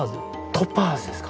トパーズですか？